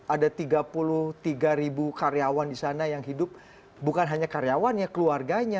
ada tiga puluh tiga ribu karyawan di sana yang hidup bukan hanya karyawannya keluarganya